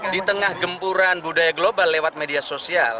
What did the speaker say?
di tengah gempuran budaya global lewat media sosial